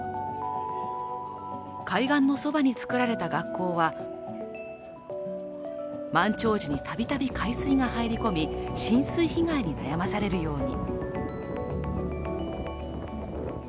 海岸のそばに作られた学校は、満潮時にたびたび海水が入り込み、浸水被害に悩まされるように。